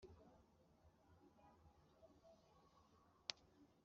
Kandi yamaze imyaka ibarirwa muri Magana abiri